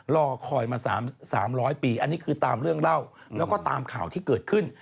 รอคอยมา๓๐๐ปีอันนี้คือตามเรื่องเล่าแล้วก็ตามข่าวที่เกิดขึ้น